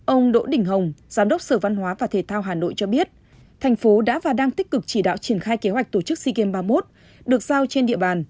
ông đỗ đình hồng giám đốc sở văn hóa và thể thao hà nội cho biết thành phố đã và đang tích cực chỉ đạo triển khai kế hoạch tổ chức sea games ba mươi một được giao trên địa bàn